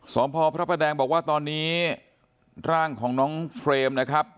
สอบพอพระประแดงบอกว่าตอนนี้ร่างของน้องเฟรมนะครับ